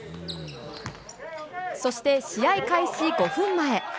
そして、試合開始５分前。